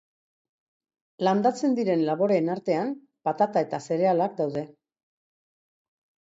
Landatzen diren laboreen artean, patata eta zerealak daude.